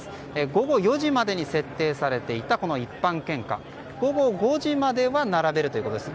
午後４時までに設定されていた一般献花は午後５時までは並べるということです。